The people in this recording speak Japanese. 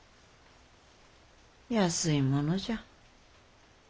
安いものじゃ。